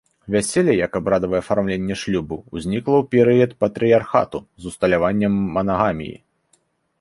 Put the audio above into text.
Вяселле як абрадавае афармленне шлюбу ўзнікла ў перыяд патрыярхату з усталяваннем манагаміі.